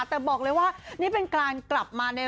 แต่บอกเลยว่านี่เป็นการกลับมาใน